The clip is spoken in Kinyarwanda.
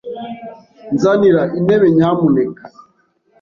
Nzanira intebe, nyamuneka.